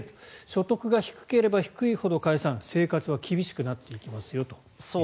所得が低ければ低いほど加谷さん、生活は厳しくなっていきますよと。